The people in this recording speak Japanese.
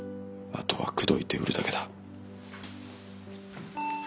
あとは口説いて売るだけだ。